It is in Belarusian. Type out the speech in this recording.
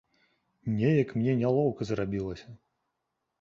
Неяк мне нялоўка зрабілася.